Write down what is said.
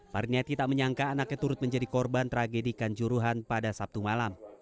marniathi tak menyangka anaknya turut menjadi korban tragedi kanjuruhan pada sabtu malam